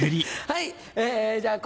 はい。